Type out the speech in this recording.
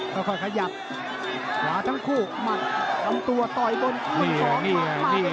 ค่อยขยับหลาทั้งคู่หมัดลำตัวต่อยตนฝุ่น๒มันมาก็ชุดเลย